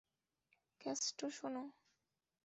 Castro, শোনো।